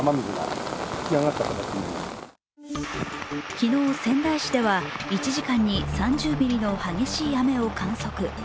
昨日、仙台市では１時間に３０ミリの激しい雨を観測。